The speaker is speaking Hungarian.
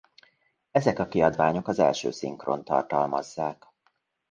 Ezek a kiadványok az első szinkront tartalmazzák.